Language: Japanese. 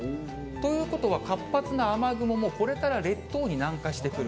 ということは、活発な雨雲もこれから列島に南下してくる。